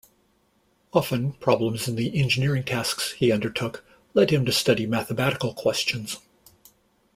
Often problems in the engineering tasks he undertook led him to study mathematical questions.